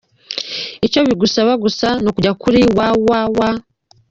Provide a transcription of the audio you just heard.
Icyo bigusaba gusa ni ukujya kuri www.